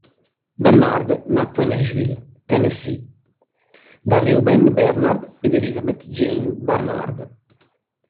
Barnard nacque a Nashville, Tennessee, da Reuben Barnard ed Elizabeth Jane Barnard.